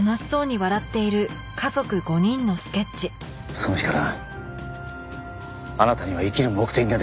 その日からあなたには生きる目的ができた。